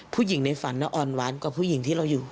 ผู้หญิงในฝันอ่อนหวานกว่าผู้หญิงที่เราอยู่